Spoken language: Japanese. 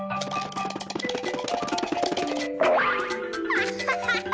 アハハハ！